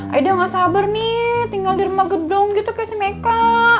akhirnya gak sabar nih tinggal di rumah gedung gitu kayak si meka